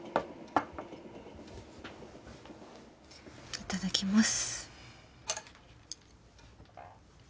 いただきます。